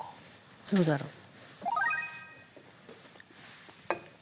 どうだろう？